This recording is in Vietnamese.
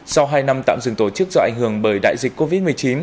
sau hai năm tạm dừng tổ chức do ảnh hưởng bởi đại dịch covid một mươi chín